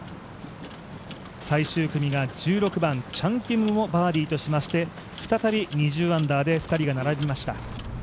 最終組が１６番、チャン・キムもバーディーとしまして再び２０アンダーで２人が並びました。